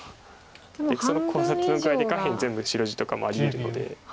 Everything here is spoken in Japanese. そのコウ立ての具合で下辺全部白地とかもありえるので。